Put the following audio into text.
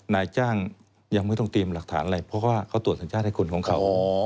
นายจ้างยังไม่ต้องเตรียมหลักฐานอะไรเพราะว่าเขาตรวจสัญชาติให้คนของเขา